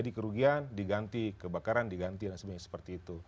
jadi kerugian diganti kebakaran diganti dan sebagainya seperti itu